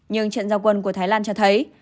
nhưng trận giao quân của thái lan cho thấy